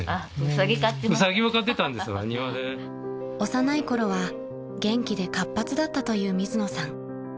［幼いころは元気で活発だったという水野さん］